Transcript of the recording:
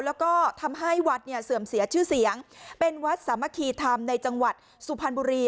แล้วก็ทำให้วัดเนี่ยเสื่อมเสียชื่อเสียงเป็นวัดสามัคคีธรรมในจังหวัดสุพรรณบุรี